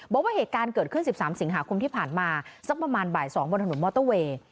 บอกว่าเหตุการณ์เกิดขึ้น๑๓สิงหาคมที่ผ่านมาสักประมาณบ่าย๒บนถนนมอเตอร์เวย์